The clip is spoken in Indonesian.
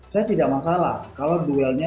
saya tidak masalah kalau duelnya